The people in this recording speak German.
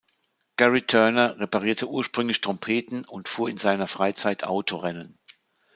Gary Turner reparierte ursprünglich Trompeten und fuhr in seiner Freizeit Autorennen.